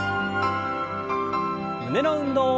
胸の運動。